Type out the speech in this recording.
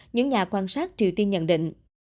những nhà quan sát triều tiên nhận định